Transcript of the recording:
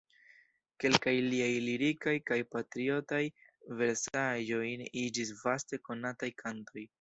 Kelkaj liaj lirikaj kaj patriotaj versaĵoj iĝis vaste konataj kantoj.